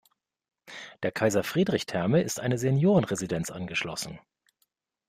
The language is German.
Der Kaiser-Friedrich-Therme ist eine Seniorenresidenz angeschlossen.